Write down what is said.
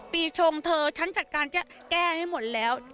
ปีชงเธอฉันจัดการแก้ให้หมดแล้ว